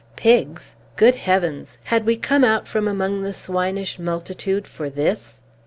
Pigs! Good heavens! had we come out from among the swinish multitude for this?